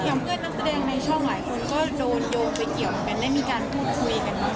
เพื่อนนักแสดงในช่องหลายคนก็โดนโยงไปเกี่ยวกันและมีการพูดคุยกัน